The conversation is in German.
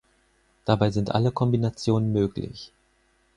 Dabei sind alle Kombinationen möglich.